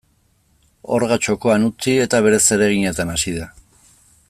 Orga txokoan utzi eta bere zereginetan hasi da.